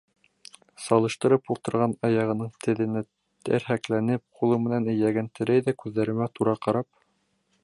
Салыштырып ултырған аяғының теҙенә терһәкләнеп, ҡулы менән эйәген терәй ҙә, күҙҙәремә тура ҡарап: